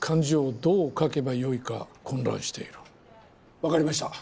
分かりました。